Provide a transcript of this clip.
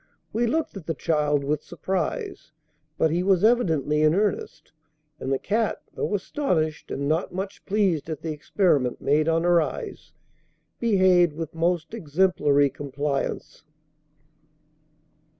We looked at the child with surprise; but he was evidently in earnest, and the cat, though astonished, and not much pleased at the experiment made on her eyes, behaved with most exemplary complaisance.